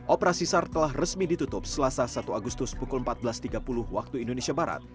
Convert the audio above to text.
operasi sar telah resmi ditutup selasa satu agustus pukul empat belas tiga puluh waktu indonesia barat